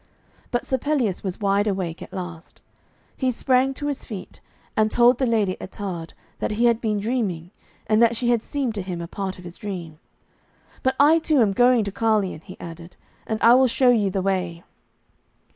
But Sir Pelleas was wide awake at last. He sprang to his feet, and told the Lady Ettarde that he had been dreaming, and that she had seemed to him a part of his dream. 'But I too am going to Carleon,' he added, 'and I will show you the way.'